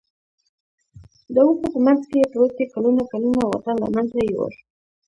د وښو په منځ کې پروتې کلونه کلونه واټن له منځه یووړ.